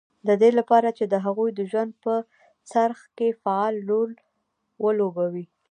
د دې لپاره چې د هغوی د ژوند په څرخ کې فعال رول ولوبوي